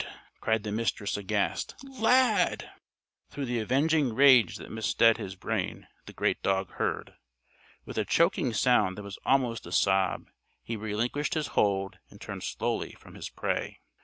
cried the Mistress, aghast. "Lad!" Through the avenging rage that misted his brain the great dog heard. With a choking sound that was almost a sob he relinquished his hold and turned slowly from his prey.